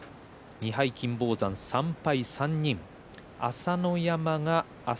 ２敗に金峰山３敗に３人です。